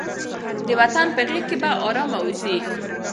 د وطن په غېږ کې په ارامه اوسئ.